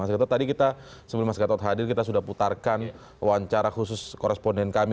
mas gatot tadi kita sebelum mas gatot hadir kita sudah putarkan wawancara khusus koresponden kami